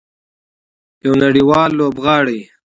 یو نړیوال لوبغاړی.